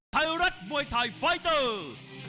ไทยรัฐมวยไทยไฟเตอร์